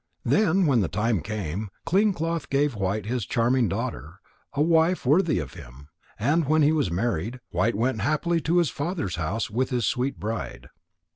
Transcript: Then when the time came, Clean cloth gave White his charming daughter, a wife worthy of him. And when he was married, White went happily to his father's house with his sweet bride.